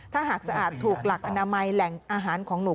ถ้าหากสะอาดถูกหลักอนามัยแหล่งอาหารของหนู